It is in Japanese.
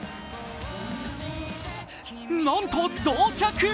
なんと同着。